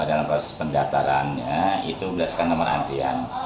dalam proses pendatarannya itu berdasarkan nomor antrian